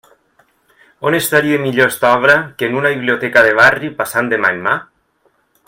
On estaria millor aquesta obra que en una biblioteca de barri passant de mà en mà?